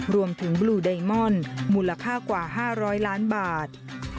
รวมถึงบลูดายมอนด์มูลค่ากว่า๕๐๐ล้านบาท